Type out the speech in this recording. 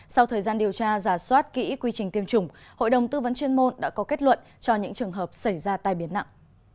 sau thời gian điều tra giả soát kỹ quy trình tiêm chủng hội đồng tư vấn chuyên môn đã có kết luận cho những trường hợp xảy ra tai biến nặng